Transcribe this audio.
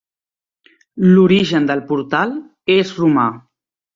L'origen del portal és romà.